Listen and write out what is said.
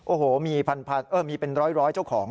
โอ้โหมีเป็นร้อยเจ้าของ